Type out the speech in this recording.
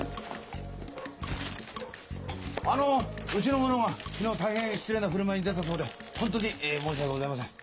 あのうちの者が昨日大変失礼な振る舞いに出たそうで本当にえ申し訳ございません。